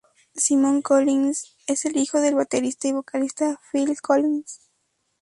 Simon Collins es el hijo del baterista y vocalista Phil Collins.